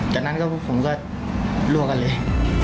จากนั้นก็พวกผมก็ลวกกันเลย